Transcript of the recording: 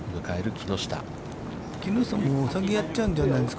木下君も先にやっちゃうんじゃないですか。